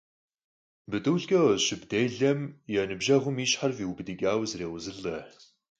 Птулъкӏэ къэзыщып делэм я ныбжьэгъум и щхьэр фӏиубыдыкӏауэ зрекъузылӏэ.